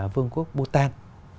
vương quốc bhutan